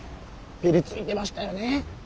ピリついてましたよね。